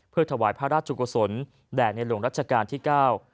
เพื่อถวายพระราชกุศลแด่ในหลวงรัชกาลที่เก้า